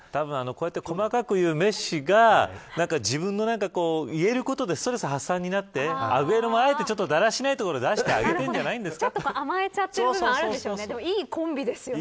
細かくいうメッシが自分が言えることでストレス発散になってアグエロも、あえてだらしないところ出してあげてるんじゃないですか。